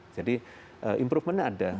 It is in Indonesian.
jadi improvementnya ada